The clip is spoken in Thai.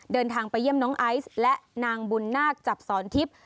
เดินทางไปเยี่ยมน้องไอซ์และนางบุญนาคจับสอนทิพย์